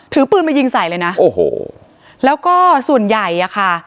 ถือปืนมายิงใส่เลยนะโอ้โหแล้วก็ส่วนใหญ่อ่ะค่ะ